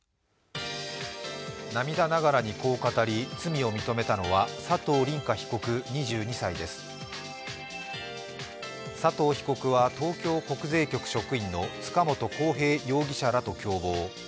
涙ながらにこう語り、罪を認めたのは佐藤凛果被告、２２歳です佐藤被告は東京国税局職員の塚本晃平容疑者らと共謀。